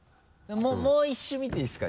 もう１周見ていいですか？